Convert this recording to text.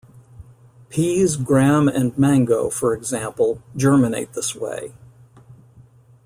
Peas, gram and mango, for example, germinate this way.